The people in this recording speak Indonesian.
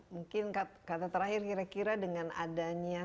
mungkin kata terakhir kira kira dengan adanya